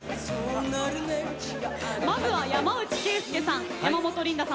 まずは山内惠介さん。